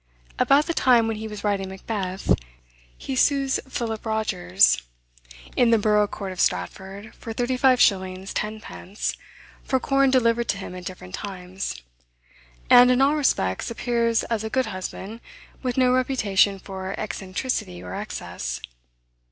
About the time when he was writing Macbeth, he sues Philip Rogers, in the borough court of Stratford, for thirty five shillings ten pence, for corn delivered to him at different times; and, in all respects, appears as a good husband, with no reputation for eccentricity or excess.